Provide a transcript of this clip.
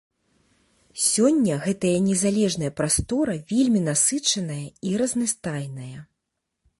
Сёння гэтая незалежная прастора вельмі насычаная і разнастайная.